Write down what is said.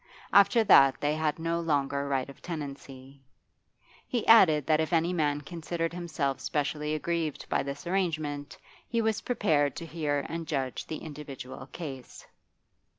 After that they had no longer right of tenancy. He added that if any man considered himself specially aggrieved by this arrangement, he was prepared to hear and judge the individual case.